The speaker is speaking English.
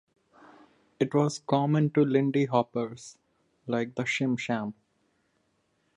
It was common to Lindy hoppers, like the shim sham.